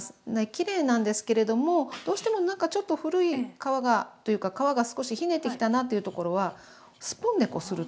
きれいなんですけれどもどうしてもなんかちょっと古い皮がというか皮が少しひねてきたなというところはスプーンでこすると。